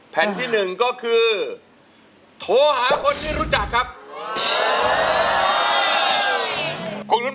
เพลงก็คือโทรหาครู